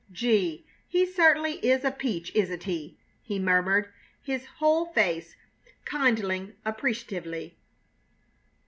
"Gee! he certainly is a peach, isn't he?" he murmured, his whole face kindling appreciatively.